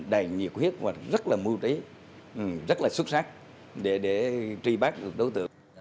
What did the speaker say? đầy nhiệt huyết và rất là mưu trí rất là xuất sắc để truy bắt được đối tượng